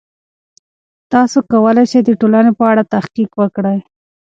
تاسې کولای سئ د ټولنې په اړه تحقیق وکړئ.